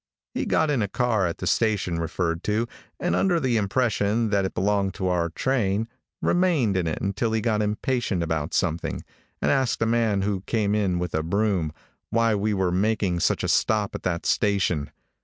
He got in a car at the station referred to, and under the impression that it belonged to our train, remained in it till he got impatient about something, and asked a man who came in with a broom, why we were making such a stop at that station.